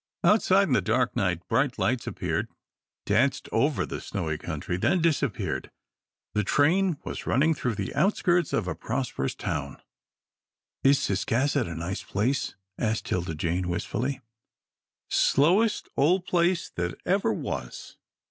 Outside in the dark night, bright lights appeared, danced over the snowy country, then disappeared. The train was running through the outskirts of a prosperous town. "Is Ciscasset a nice place?" asked 'Tilda Jane, wistfully. "Slowest old place that ever was.